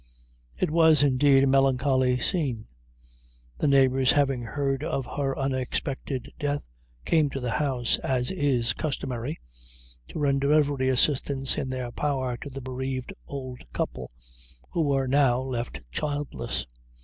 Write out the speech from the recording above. It was, indeed, a melancholy scene. The neighbors having heard of her unexpected death, came to the house, as is customary, to render every assistance in their power to the bereaved old couple, who were now left childless.